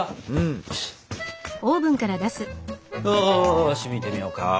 よし見てみようか。